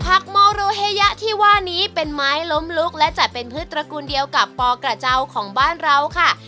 โมโรเฮยะที่ว่านี้เป็นไม้ล้มลุกและจัดเป็นพืชตระกูลเดียวกับปกระเจ้าของบ้านเราค่ะ